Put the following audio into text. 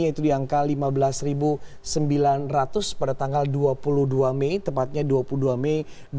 yaitu di angka lima belas sembilan ratus pada tanggal dua puluh dua mei tepatnya dua puluh dua mei dua ribu dua puluh